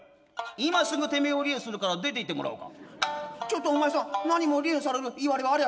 「今すぐてめえを離縁するから出て行ってもらおうか。